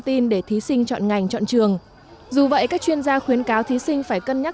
tin để thí sinh chọn ngành chọn trường dù vậy các chuyên gia khuyến cáo thí sinh phải cân nhắc